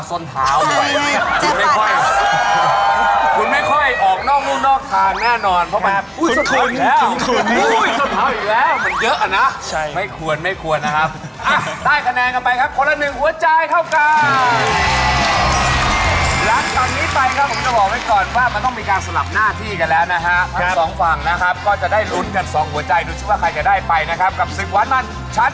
สุดท้ายสุดท้าย